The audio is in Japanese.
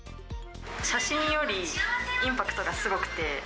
写真よりインパクトがすごくて。